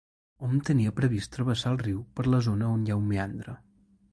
Hom tenia previst travessar el riu per la zona on hi ha un meandre.